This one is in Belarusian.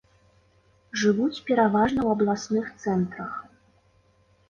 Жывуць пераважна ў абласных цэнтрах.